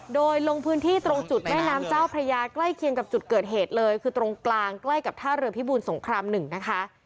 โดยลงพื้นที่ตรงจุดแม่น้ำเจ้าพระยาใกล้เคียงกับจุดเกิดเหตุเลยคือตรงกลางใกล้กับท่าเรือพิบูรสงคราม๑นะคะ